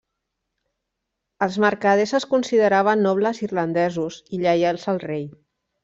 Els mercaders es consideraven nobles irlandesos i lleials al rei.